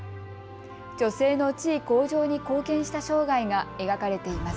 女性の地位向上に貢献した生涯が描かれています。